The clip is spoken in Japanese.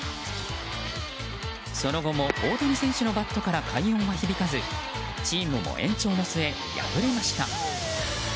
その後も大谷選手のバットから快音は響かずチームも延長の末、敗れました。